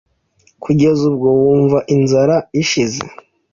kugeza ubwo wumva inzara ishize,